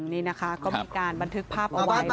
นี่นะคะก็มีการบันทึกภาพเอาไว้